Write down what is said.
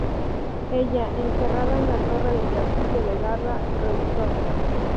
Ella, encerrada en la torre del castillo de Garda, rehusó.